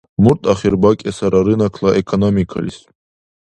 Мурт ахир бакӀесара рынокла экономикалис?